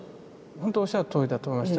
ほんとおっしゃるとおりだと思いました。